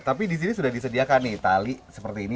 tapi disini sudah disediakan nih tali seperti ini